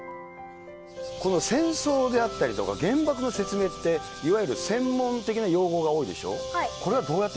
この戦争であったりとか、原爆の説明っていわゆる専門的な用語が多いでしょ？